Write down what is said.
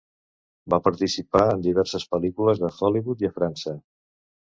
Va participar en diverses pel·lícules a Hollywood i a França.